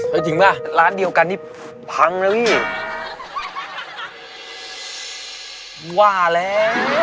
แล้วร้านเดียวกันนี่พังแล้วว่าแล้ว